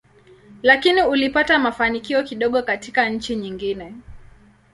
Lakini ulipata mafanikio kidogo katika nchi nyingine.